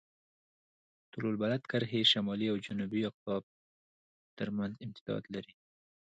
طول البلد کرښې شمالي او جنوبي اقطاب ترمنځ امتداد لري.